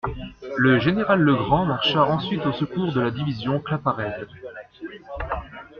Le général Legrand marcha ensuite au secours de la division Claparède.